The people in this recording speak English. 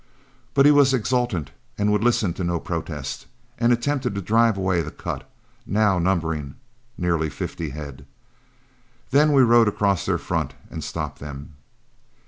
But he was exultant and would listen to no protests, and attempted to drive away the cut, now numbering nearly fifty head. Then we rode across their front and stopped them.